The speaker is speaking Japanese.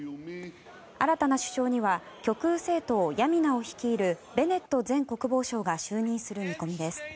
新たな首相には極右政党ヤミナを率いるベネット前国防相が就任する見込みです。